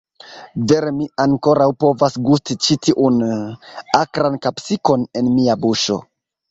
Vere mi ankoraŭ povas gusti ĉi tiun... akran kapsikon en mia buŝo.